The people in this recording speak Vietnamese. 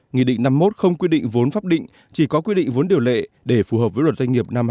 nghị định năm mươi một không quy định vốn pháp định chỉ có quy định vốn điều lệ để phù hợp với luật doanh nghiệp năm hai nghìn một mươi ba